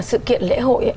sự kiện lễ hội